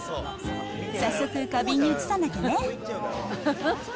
早速、花瓶に移さなきゃね。